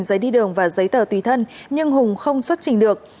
giấy đi đường và giấy tờ tùy thân nhưng hùng không xuất trình được